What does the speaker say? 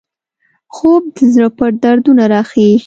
خوب د زړه پټ دردونه راښيي